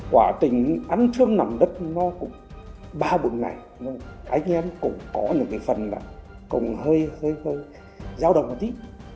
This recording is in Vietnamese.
quả tình án trương nằm đất nó cũng ba buổi ngày nhưng anh em cũng có những cái phần là cũng hơi hơi hơi giao đồng một tí